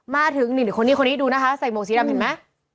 มาถึงนี่คนนี้คนนี้ดูนะคะใส่หมวกสีดำเห็นไหม